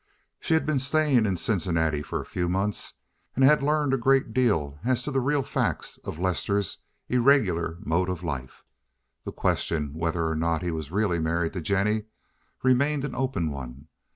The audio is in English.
She had been staying in Cincinnati for a few months, and had learned a great deal as to the real facts of Lester's irregular mode of life. The question whether or not he was really married to Jennie remained an open one.